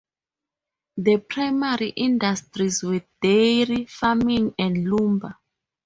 The primary industries were dairy farming and lumber.